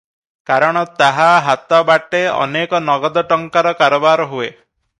କାରଣ ତାହା ହାତ ବାଟେ ଅନେକ ନଗଦ ଟଙ୍କାର କାରବାର ହୁଏ ।